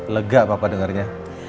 lega papa dengarnya